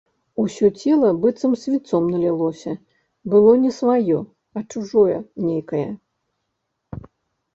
Усё цела быццам свінцом налілося, было не сваё, а чужое нейкае.